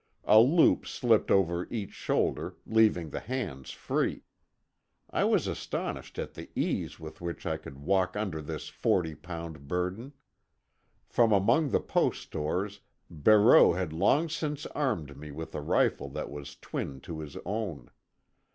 A loop slipped over each shoulder, leaving the hands free. I was astonished at the ease with which I could walk under this forty pound burden. From among the post stores Barreau had long since armed me with a rifle that was twin to his own.